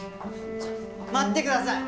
待ってください！